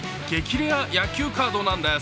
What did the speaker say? レア野球カードなんです。